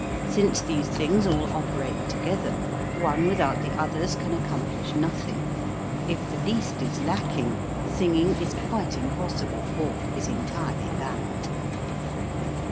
Since these things all operate to gether, one without the others can accomplish nothing ; if the least is lacking, singing is quite impossible, or is entirely bad.